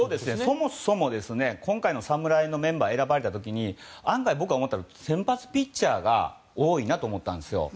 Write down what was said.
そもそも今回の侍のメンバーが選ばれた時、案外僕が思ったのは先発ピッチャーが多いなと思ったんですよ。